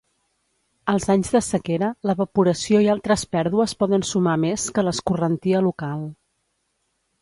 Als anys de sequera, l"evaporació i altres pèrdues poden sumar més que l"escorrentia local.